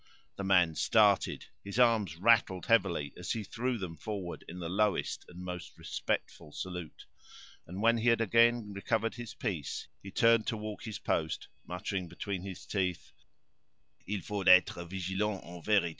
The man started; his arms rattled heavily as he threw them forward in the lowest and most respectful salute; and when he had again recovered his piece, he turned to walk his post, muttering between his teeth: "Il faut être vigilant, en vérité!